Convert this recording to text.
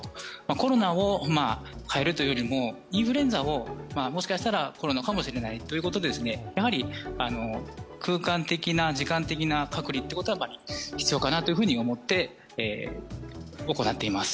コロナを変えるというよりもインフルエンザをもしかしたらコロナかもしれないということで空間的、時間的な隔離は必要かなと思って、行っています。